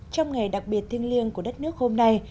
trong ngày đặc biệt thiêng liêng của đất nước hôm nay